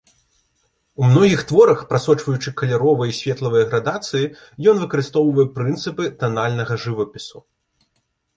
У многіх творах, прасочваючы каляровыя і светлавыя градацыі, ён выкарыстоўвае прынцыпы танальнага жывапісу.